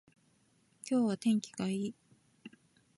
今日は天気がいい